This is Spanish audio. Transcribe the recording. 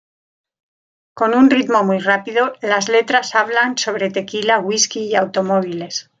Con un ritmo muy rápido, las letras hablan sobre tequila, whisky y automóviles.